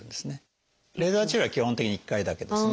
レーザー治療は基本的に１回だけですね。